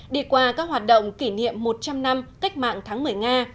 đi qua các hoạt động kỷ niệm một trăm linh năm cách mạng tháng một mươi nga